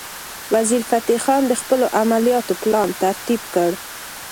وزیرفتح خان د خپلو عملیاتو پلان ترتیب کړ.